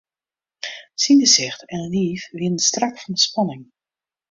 Syn gesicht en liif wiene strak fan 'e spanning.